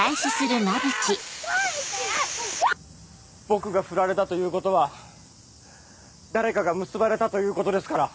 僕がフラれたということは誰かが結ばれたということですから。